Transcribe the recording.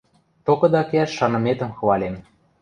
Токыда кеӓш шаныметӹм хвалем.